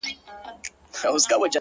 وير راوړي غم راوړي خنداوي ټولي يوسي دغه،